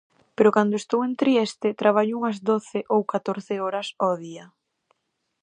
Pero cando estou en Trieste traballo unhas doce ou catorce horas ó día.